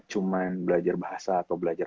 cuma belajar bahasa atau belajar